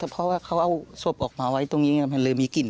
เพราะว่าเขาเอาศพออกมาไว้ตรงนี้มันเลยมีกลิ่น